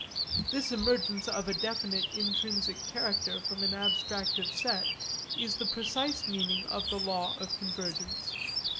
This emergence of a definite intrinsic character from an abstractive set is the precise meaning of the law of convergence.